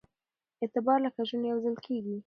اعتبار لکه ژوند يوځل کېږي